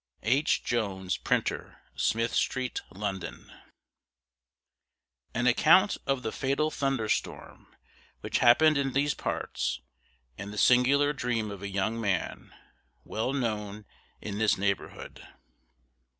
H. Jones, Printer, Smith Street, London. AN ACCOUNT OF THE FATAL THUNDERSTORM, Which happened in these parts, and the SINGULAR DREAM OF A YOUNG MAN, Well known in this Neighbourhood.